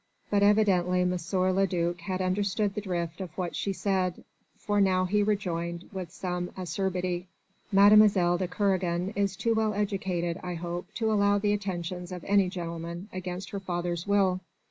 But evidently M. le duc had understood the drift of what she said, for now he rejoined with some acerbity: "Mlle. de Kernogan is too well educated, I hope, to allow the attentions of any gentleman, against her father's will."